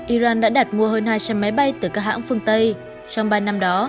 iran đã đặt mua hơn hai trăm linh máy bay từ các hãng phương tây trong ba năm đó